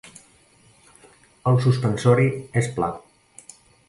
El suspensori és pla.